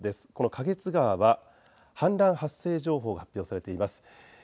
花月川は氾濫発生情報が発表されています。